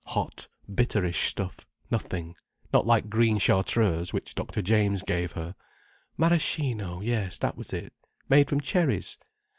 Hot, bitterish stuff—nothing: not like green Chartreuse, which Dr. James gave her. Maraschino! Yes, that was it. Made from cherries.